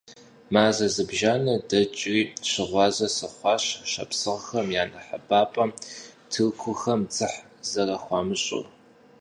Мазэ зыбжанэ дэкӀри, щыгъуазэ сыхъуащ шапсыгъхэм я нэхъыбапӀэм тыркухэм дзыхь зэрыхуамыщӀыр.